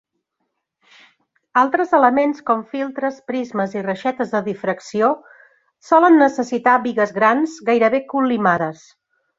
Altres elements, com filtres, prismes i reixetes de difracció, solen necessitar bigues grans gairebé col·limades.